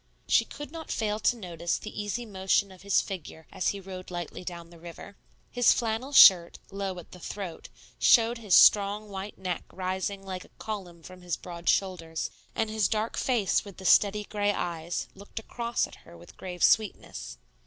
She could not fail to notice the easy motion of his figure as he rowed lightly down the river. His flannel shirt, low at the throat, showed his strong white neck rising like a column from his broad shoulders, and his dark face with the steady gray eyes looked across at her with grave sweetness.